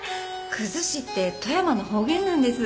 「くずし」って富山の方言なんです